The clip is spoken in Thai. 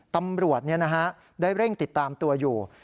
ตำรวจได้เร่งติดตามตัวอยู่